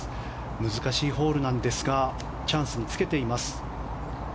難しいホールですがチャンスにつけています。